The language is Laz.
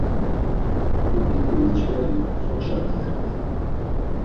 P̌ip̌idi memç̌veri sokşa galert̆ey?